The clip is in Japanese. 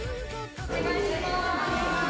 お願いします。